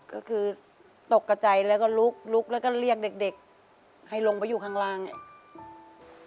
ก็คือตกกระใจแล้วก็ลุกลุกแล้วก็เรียกเด็กให้ลงไปอยู่ข้างล่างเนี่ย